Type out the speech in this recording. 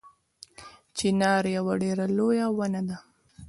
چنار یوه ډیره لویه ونه ده